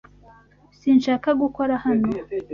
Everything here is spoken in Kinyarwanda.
Sinshaka gukora hano.